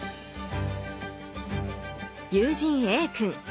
友人Ａ君。